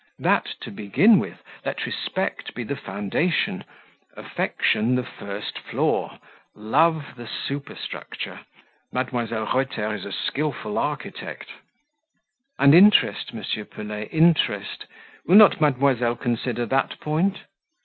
"That to begin with; let respect be the foundation, affection the first floor, love the superstructure; Mdlle. Reuter is a skilful architect." "And interest, M. Pelet interest. Will not mademoiselle consider that point?"